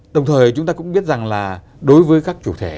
đồng thời chúng ta cũng biết rằng là đối với các chủ thể